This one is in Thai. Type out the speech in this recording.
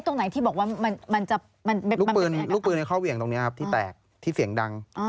ตรงไหนที่บอกว่ามันจะลูกปืนเข้าเหวี่ยงตรงนี้ครับที่แตกที่เสียงดัง